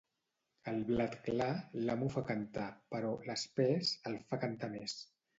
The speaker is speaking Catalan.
El blat clar, l'amo fa cantar, però, l'espès, el fa cantar més.